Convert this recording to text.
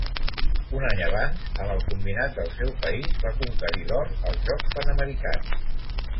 Un any abans, amb el combinat del seu país va conquerir l'or als Jocs Panamericans.